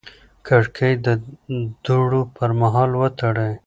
کړکۍ د دوړو پر مهال وتړئ.